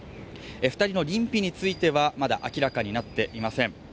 ２人の認否についてはまだ明らかになっていません。